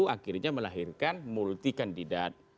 akhirnya melahirkan multi kandidat